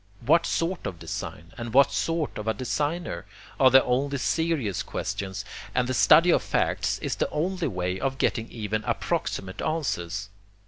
What sort of design? and what sort of a designer? are the only serious questions, and the study of facts is the only way of getting even approximate answers.